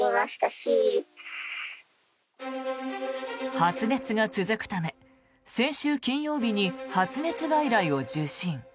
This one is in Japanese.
発熱が続くため先週金曜日に発熱外来を受診。